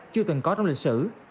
chưa từng có trong lịch sử